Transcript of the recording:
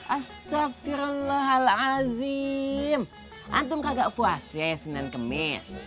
astagfirullahaladzim antum kagak puasesin dan kemes